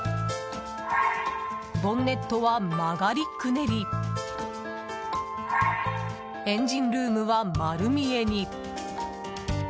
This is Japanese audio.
ボンネットは曲がりくねりエンジンルームは丸見えに。